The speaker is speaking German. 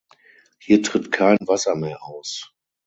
Hier tritt kein Wasser mehr aus.